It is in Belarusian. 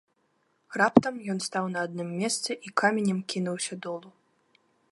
Раптам ён стаў на адным месцы і каменем кінуўся долу.